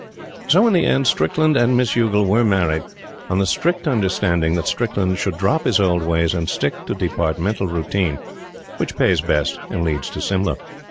So, in the end, Strickland and Miss Youghal were married, on the strict understanding that Strickland should drop his old ways, and stick to Departmental routine, which pays best and leads to Simla.